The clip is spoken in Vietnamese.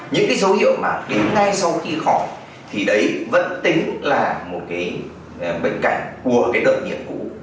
những cái dấu hiệu mà đến ngay sau khi khỏi thì đấy vẫn tính là một cái bệnh cảnh của cái đợt nhiễm cũ